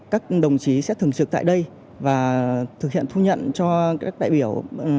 các đồng chí sẽ thường trực tại đây và thực hiện thu nhận cho các đại biểu